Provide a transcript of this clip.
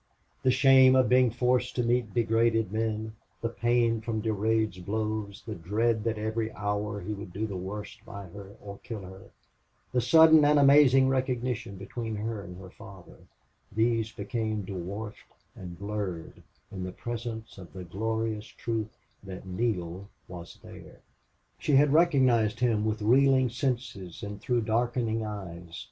The shame of being forced to meet degraded men, the pain from Durade's blows, the dread that every hour he would do the worst by her or kill her, the sudden and amazing recognition between her and her father these became dwarfed and blurred in the presence of the glorious truth that Neale was there. She had recognized him with reeling senses and through darkening eyes.